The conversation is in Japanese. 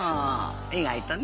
意外とね。